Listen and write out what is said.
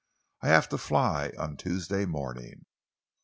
"I have to fly on Tuesday morning."